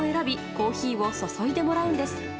コーヒーを注いでもらうんです。